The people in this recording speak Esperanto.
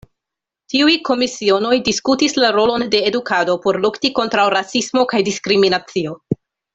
Tiuj komisionoj diskutis la rolon de edukado por lukti kontraŭ rasismo kaj diskriminacio.